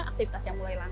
kita bisa berpengalaman